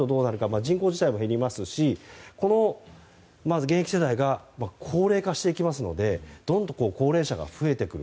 人口自体も減りますし現役世代が高齢化していきますのでドーンと高齢者が増えてくる。